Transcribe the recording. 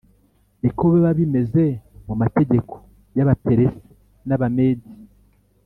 Niko biba bimeze mu mategeko y’Abaperesi n’Abamedi